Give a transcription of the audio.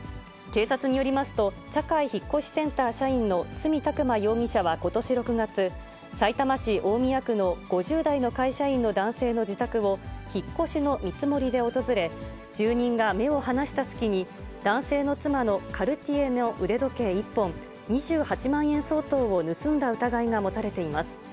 警察によりますと、サカイ引越センター社員の角拓磨容疑者はことし６月、さいたま市大宮区の５０代の会社員の男性の自宅を引っ越しの見積もりで訪れ、住人が目を離した隙に、男性の妻のカルティエの腕時計１本、２８万円相当を盗んだ疑いが持たれています。